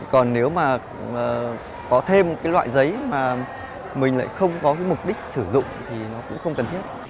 còn nếu mà có thêm cái loại giấy mà mình lại không có cái mục đích sử dụng thì nó cũng không cần thiết